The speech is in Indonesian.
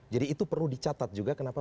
jadi itu perlu dicatat juga kenapa